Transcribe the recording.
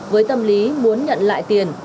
với tâm lý muốn nhận lại tiền